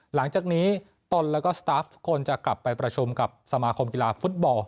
หลังจากนี้ตนแล้วก็สตาฟคนจะกลับไปประชุมกับสมาคมกีฬาฟุตบอล